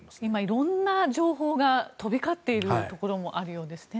いろいろな情報が飛び交っているところもあるようですね。